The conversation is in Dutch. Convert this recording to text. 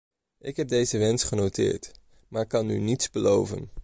Ik heb deze wens genoteerd, maar kan nu niets beloven.